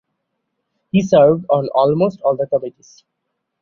He served on almost all the committees.